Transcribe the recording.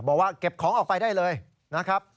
บอกว่าเก็บของออกไปได้เลยนะครับ